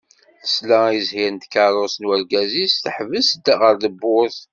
Tesla i zzhir n tkerrust n urgaz-is teḥbes-d ɣer tewwurt.